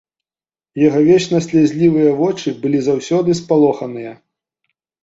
Яго вечна слязлівыя вочы былі заўсёды спалоханыя.